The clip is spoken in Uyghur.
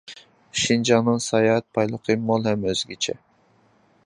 شىنجاڭنىڭ ساياھەت بايلىقى مول ھەم ئۆزگىچە.